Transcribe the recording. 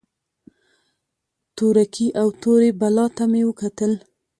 تورکي او تورې بلا ته مې وکتل.